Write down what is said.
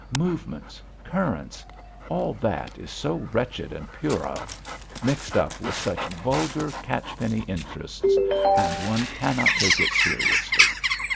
Movements, currents all that is so wretched and puerile mixed up with such vulgar, catch penny interests and one cannot take it seriously.